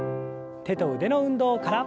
手と腕の運動から。